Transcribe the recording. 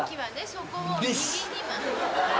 そこを右に。